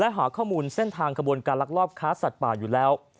หาข้อมูลเส้นทางขบวนการลักลอบค้าสัตว์ป่าอยู่แล้ว